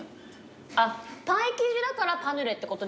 あっパイ生地だからパヌレってことですか？